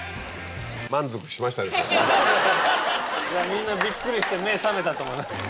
みんなびっくりして目覚めたと思います。